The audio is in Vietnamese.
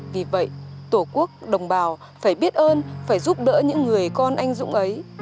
vì vậy tổ quốc đồng bào phải biết ơn phải giúp đỡ những người con anh dũng ấy